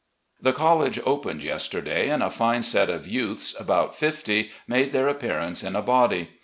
The college opened yesterday, and a fine set of youths, about fifty, made their appearance in a body.